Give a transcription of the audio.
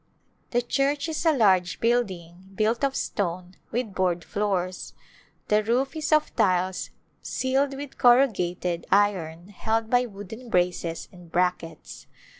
The church is a large building built of stone with board floors ; the roof is of tiles ceiled with corrugated iron held by wooden braces and brackets.